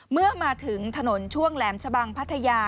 เมื่อมาถึงถนนช่วงแหลมชะบังพัทยา